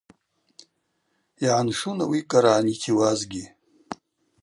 Йгӏаншун, ауи кӏара анитийуазгьи.